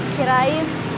aku udah sarapan dirumah